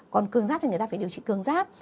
còn cường giáp thì người ta phải điều trị cường giáp